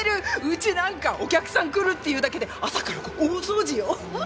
うちなんかお客さん来るっていうだけで朝から大掃除よ。